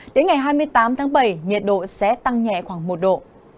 đến ngày hai mươi tám tháng bảy nhiệt độ sẽ tăng nhẹ khoảng một độ